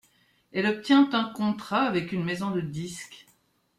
Elle obtient un contrat avec une maison de disques.